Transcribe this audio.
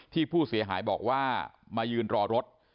ที่ผู้เสียหายบอกว่ามายืนรอรถ